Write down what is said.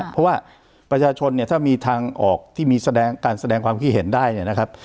เพราะว่าประชาชนเนี่ยถ้ามีทางออกที่มีแสดงการแสดงความคิดเห็นได้เนี่ยนะครับ